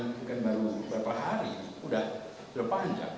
bukan baru beberapa hari sudah panjang